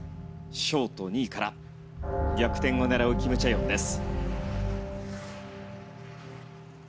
ショート２位から逆転を狙うキム・チェヨンです。